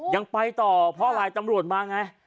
ยังไปต่อเพราะอะไรตำรวจมาไง